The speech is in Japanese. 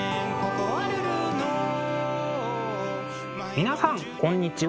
皆さんこんにちは。